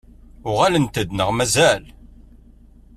Uɣalent-d neɣ mazal?